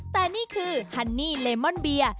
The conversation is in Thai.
แต่นี่คือฮันนี่เลมอนเบียร์